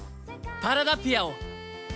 パララピアを。